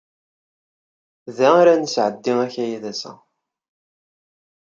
Da ara nesɛeddi akayad ass-a.